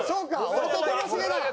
俺とともしげだ。